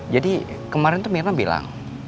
jadi kemarin tuh mirna bilang